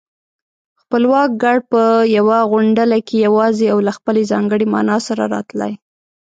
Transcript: خپلواک گړ په يوه غونډله کې يواځې او له خپلې ځانګړې مانا سره راتلای